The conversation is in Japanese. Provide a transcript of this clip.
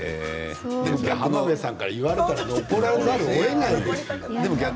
浜辺さんに言われたら残らざるをえない。